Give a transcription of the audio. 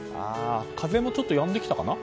風もちょっとやんできたかな。